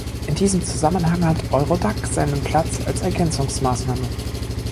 In diesem Zusammenhang hat Eurodac seinen Platz als Ergänzungsmaßnahme.